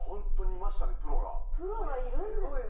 プロがいるんですね。